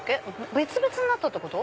別々になったってこと？